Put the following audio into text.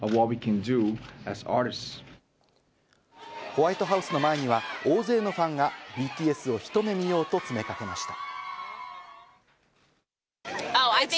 ホワイトハウスの前には、大勢のファンがＢＴＳをひと目見ようと詰めかけました。